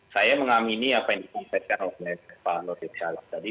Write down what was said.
saya mengamini apa yang disampaikan oleh pak laude tadi